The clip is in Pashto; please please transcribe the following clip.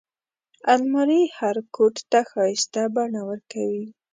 الماري هر کوټ ته ښايسته بڼه ورکوي